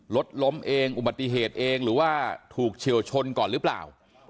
รถล้มเองอุบัติเหตุเองหรือว่าถูกเฉียวชนก่อนหรือเปล่า